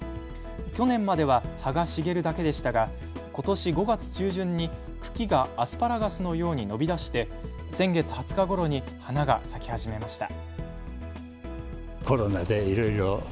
去年までは葉が茂るだけでしたがことし５月中旬に茎がアスパラガスのように伸び出して先月２０日ごろに花が咲き始めました。